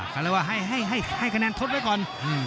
เขาเรียกว่าให้คะแนนทดไว้ก่อน